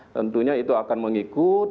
tentunya itu akan mengikut